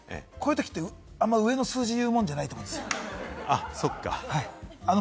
こういうときってあんまり上の数字、言うもんじゃないと思います。